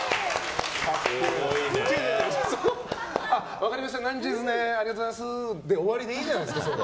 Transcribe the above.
分かりました、何時ですねありがとうございますで終わりでいいじゃないですか。